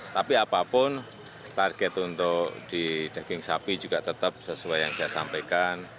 tapi apapun target untuk di daging sapi juga tetap sesuai yang saya sampaikan